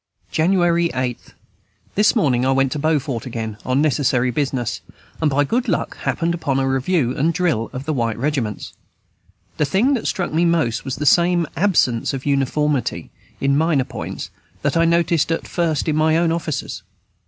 January 8. This morning I went to Beaufort again, on necessary business, and by good luck happened upon a review and drill of the white regiments. The thing that struck me most was that same absence of uniformity, in minor points, that I noticed at first in my own officers.